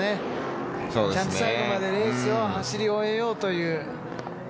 ちゃんと最後までレースを走り終えようという。